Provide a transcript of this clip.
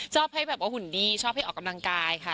ชอบให้แบบว่าหุ่นดีชอบให้ออกกำลังกายค่ะ